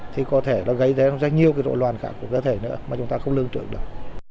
thì có thể nó gây ra nhiều đội loàn khẳng của cơ thể nữa mà chúng ta không lương trượng được